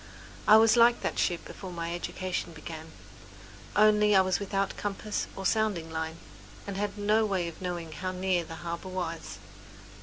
I was like that ship before my education began, only I was without compass or sounding line, and had no way of knowing how near the harbour was.